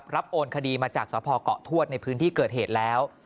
โอนคดีมาจากสพเกาะทวดในพื้นที่เกิดเหตุแล้ว